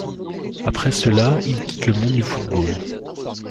Après cela, il quitte le monde du football.